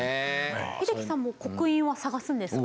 英樹さんも刻印は探すんですか？